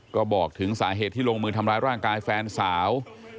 ก็บอกถึงสาเหตุที่ลงมือทำร้ายร่างกายแฟนสาว